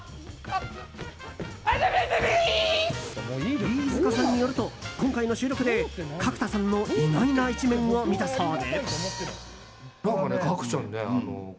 飯塚さんによると今回の収録で角田さんの意外な一面を見たそうで。